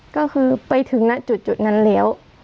ก็คือไปถึงณจุดนั้นแล้ว